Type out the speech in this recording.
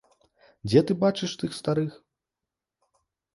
Дзе ты бачыш тых старых?